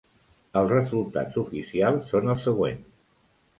Els resultats oficials són els següents.